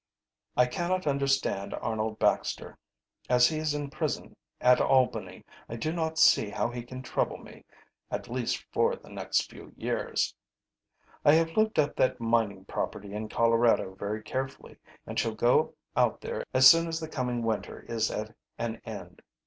I cannot understand Arnold Baxter. As he is in prison at Albany I do not see how he can trouble me, at least for the next few years. "I have looked up that mining property in Colorado very carefully, and shall go out there as soon as the coming winter is at an end.